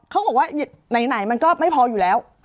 เขาบอกว่าไหนมันก็ไม่พออยู่แล้ว